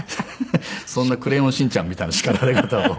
そんな『クレヨンしんちゃん』みたいな叱られ方を。